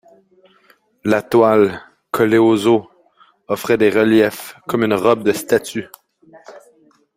La toile, collée aux os, offrait des reliefs, comme une robe de statue.